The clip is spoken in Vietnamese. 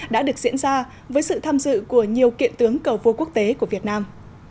đã được diễn ra với sự tham dự của nhiều kiện tướng cờ vua quốc tế của việt nam